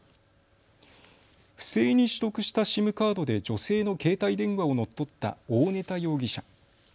不正に取得したＳＩＭカードで女性の携帯電話を乗っ取った大根田容疑者。